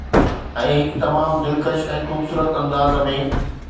۽ هڪ تمام دلکش ۽ خوبصورت انداز ۾